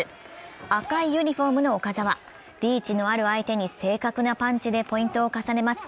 赤いユニフォームの岡澤、リーチのある相手に正確なパンチでポイントを重ねます。